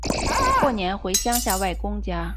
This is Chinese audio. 过年回乡下外公家